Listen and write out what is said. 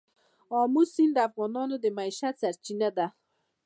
آمو سیند د افغانانو د معیشت سرچینه ده.